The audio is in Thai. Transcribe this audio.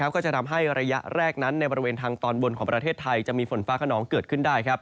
ก็จะทำให้ระยะแรกนั้นในบริเวณทางตอนบนของประเทศไทยจะมีฝนฟ้าขนองเกิดขึ้นได้